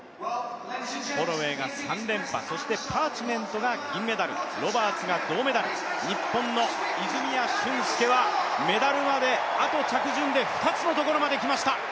ホロウェイが３連覇、パーチメントが銀メダル、ロバーツが銅メダル、日本の泉谷駿介はメダルまであと着順で２つのところまで来ました。